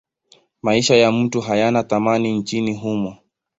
Maisha ya mtu hayana thamani nchini humo.